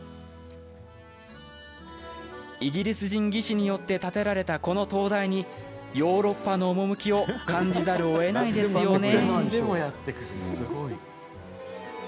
イギリス人技師によって建てられたこの灯台にヨーロッパの趣を感じざるをえないですよね？